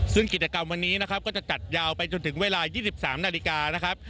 ซึ่งกิจกรรมวันนี้นะครับก็จะจัดยาวไปจนถึงเวลา๒๓นาฬิกานะครับ